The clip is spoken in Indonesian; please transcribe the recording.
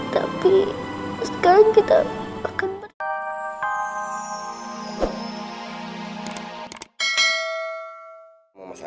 tapi sekarang kita akan menang